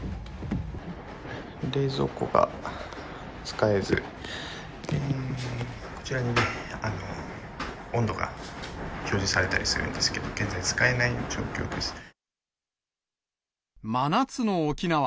冷蔵庫が使えず、こちらに温度が表示されたりするんですけど、現在、真夏の沖縄。